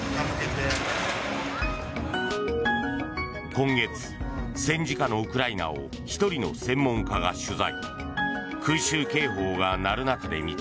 今月、戦時下のウクライナを１人の専門家が取材。